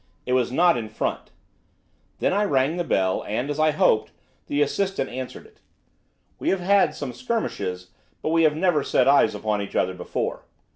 It was not in front. Then I rang the bell, and, as I hoped, the assistant answered it. We have had some skirmishes, but we had never set eyes upon each other before.